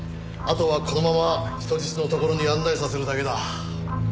あとはこのまま人質のところに案内させるだけだ。